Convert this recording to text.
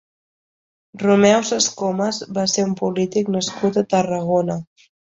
Romeu Sescomes va ser un polític nascut a Tarragona.